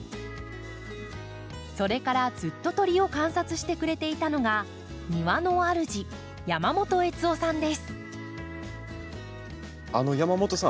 それからずっと鳥を観察してくれていたのが庭のあるじ山本さん。